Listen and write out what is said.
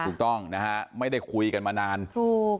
ถูกต้องนะฮะไม่ได้คุยกันมานานถูก